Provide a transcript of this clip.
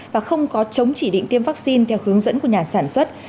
và không có chống chỉ định tiêm vaccine theo hướng dẫn của nhà sản xuất